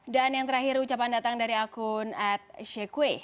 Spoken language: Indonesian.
dan yang terakhir ucapan datang dari akun ad shekwe